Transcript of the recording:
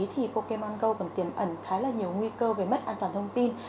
thì pokemon go còn tiềm ẩn khá là nhiều nguy cơ về mất an toàn thông tin